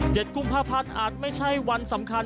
เจ็ดกุ้งพาพันธุ์อาจไม่ใช่วันสำคัญ